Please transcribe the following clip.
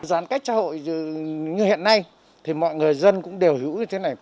giãn cách xã hội như hiện nay thì mọi người dân cũng đều hiểu như thế này